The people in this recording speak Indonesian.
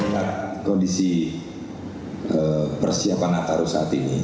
mengingat kondisi persiapan natal saat ini